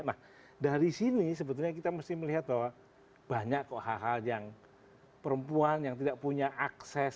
nah dari sini sebetulnya kita mesti melihat bahwa banyak kok hal hal yang perempuan yang tidak punya akses